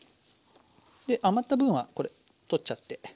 で余った分はこれ取っちゃって。